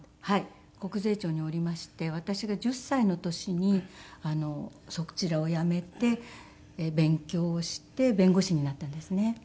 国税庁におりまして私が１０歳の年にそちらを辞めて勉強をして弁護士になったんですね。